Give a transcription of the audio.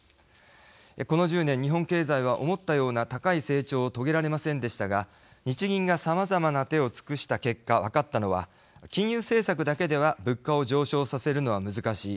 この１０年、日本経済は思ったような高い成長を遂げられませんでしたが日銀が、さまざまな手を尽くした結果、分かったのは金融政策だけでは物価を上昇させるのは難しい。